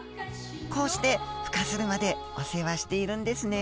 こうして孵化するまでお世話しているんですね。